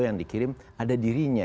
yang dikirim ada dirinya